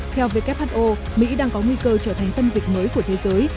theo who mỹ đang có nguy cơ trở thành tâm dịch mới của thế giới